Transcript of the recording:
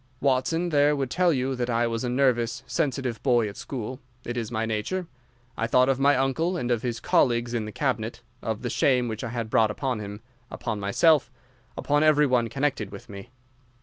Watson there would tell you that I was a nervous, sensitive boy at school. It is my nature. I thought of my uncle and of his colleagues in the Cabinet, of the shame which I had brought upon him, upon myself, upon every one connected with me.